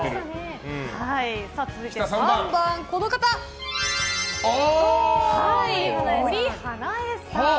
続いて３番、森英恵さん。